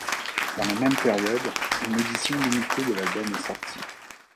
Dans la même période, une édition limitée de l'album est sortie.